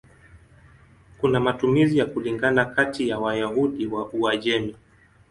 Kuna matumizi ya kulingana kati ya Wayahudi wa Uajemi.